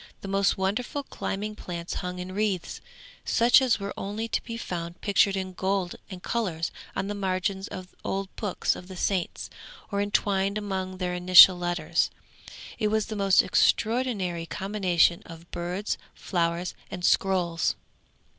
The most wonderful climbing plants hung in wreaths, such as are only to be found pictured in gold and colours on the margins of old books of the Saints or entwined among their initial letters. It was the most extraordinary combination of birds, flowers and scrolls.